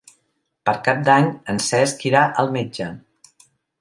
Per Cap d'Any en Cesc irà al metge.